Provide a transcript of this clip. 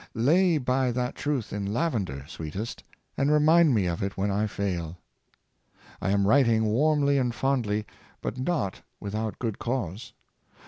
Lay by that truth in lavender, sweetest, and remind me of it when I fail. I am writing warmly and fondly, but not without good cause.